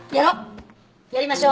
やりましょう！